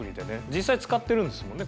実際使ってるんですもんね